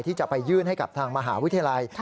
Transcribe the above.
ที่จะไปยื่นให้กับทางมหาวิทยาลัย